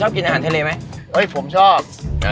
ผมชอบ